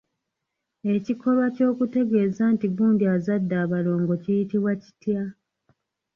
Ekikolwa ky'okutegeeza nti gundi azadde abalongo kiyitibwa kitya?